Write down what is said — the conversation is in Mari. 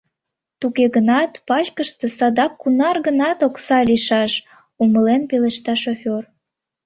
— Туге гынат пачкыште садак кунар-гынат окса лийшаш, — умылен пелешта шофер.